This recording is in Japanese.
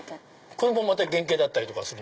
これもまた原型だったりする？